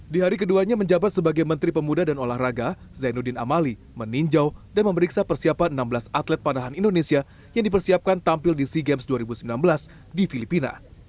di hari keduanya menjabat sebagai menteri pemuda dan olahraga zainuddin amali meninjau dan memeriksa persiapan enam belas atlet panahan indonesia yang dipersiapkan tampil di sea games dua ribu sembilan belas di filipina